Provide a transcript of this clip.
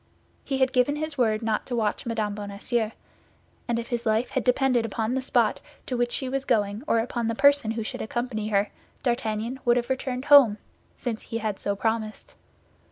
He had given his word not to watch Mme. Bonacieux, and if his life had depended upon the spot to which she was going or upon the person who should accompany her, D'Artagnan would have returned home, since he had so promised.